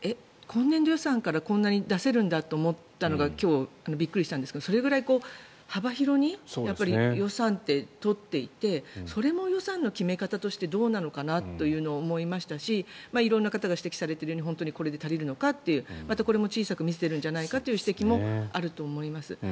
今年度予算からこんなに出せるんだ？と思ったのが今日、びっくりしたんですけどそれくらい幅広に予算って取っていてそれも予算の決め方としてどうなのかなって思いましたし色んな方が指摘されているように本当にこれで足りるのかまたこれも小さく見せてるんじゃないかという指摘もあると思います。